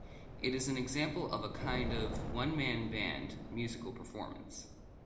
It is an example of a kind of one-man-band musical performance.